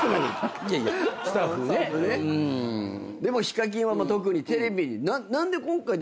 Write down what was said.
でもＨＩＫＡＫＩＮは特にテレビ何で今回でも。